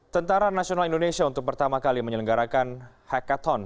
tentara nasional indonesia untuk pertama kali menyelenggarakan hackathon